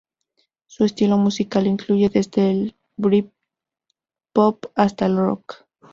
Su estilo musical incluye desde el britpop hasta el rock.